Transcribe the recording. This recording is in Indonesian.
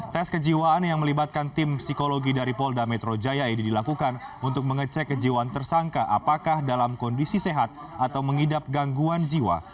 tes kejiwaan yang melibatkan tim psikologi dari polda metro jaya ini dilakukan untuk mengecek kejiwaan tersangka apakah dalam kondisi sehat atau mengidap gangguan jiwa